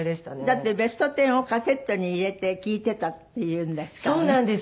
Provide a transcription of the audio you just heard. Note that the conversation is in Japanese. だって『ベストテン』をカセットに入れて聴いてたっていうんですからね。